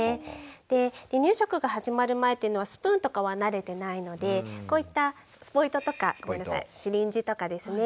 離乳食が始まる前っていうのはスプーンとかは慣れてないのでこういったスポイトとかシリンジとかですね